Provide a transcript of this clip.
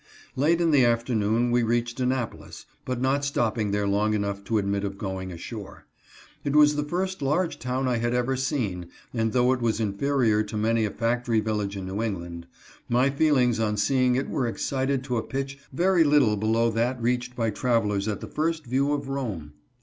Late in the afternoon we reached Annapolis, but not stopping there long enough to admit of going ashore. It was the first large town I had ever seen, and though it was inferior to many a factory village in New England, my HIS KIND RECEPTION. 89 feelings on seeing it were excited to a pitcli very little below that reached by travelers at the first view of Rome.